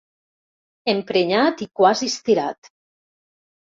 Emprenyat i quasi estirat.